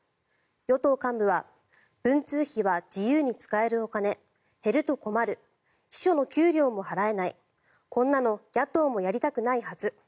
与党幹部は文通費は自由に使えるお金減ると困る秘書の給料も払えないこんなの野党もやりたくないはず。